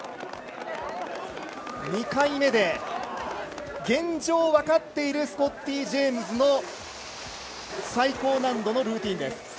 ２回目で、現状分かっているスコッティ・ジェームズの最高難度のルーティンです。